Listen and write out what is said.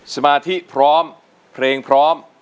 สมาธิพร้อมเพลงพร้อม